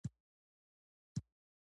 د کمېسیون غړي هغه بررسي کوي.